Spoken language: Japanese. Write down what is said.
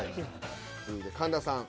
続いて神田さん